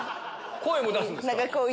声も出すんですか？